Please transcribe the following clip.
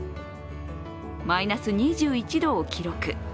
マイナス２１度を記録。